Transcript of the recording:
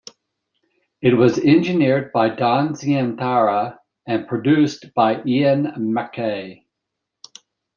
It was engineered by Don Zientara and produced by Ian MacKaye.